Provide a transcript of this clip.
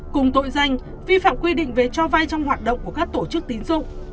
cùng tội danh vi phạm quy định về cho vay trong hoạt động của các tổ chức tín dụng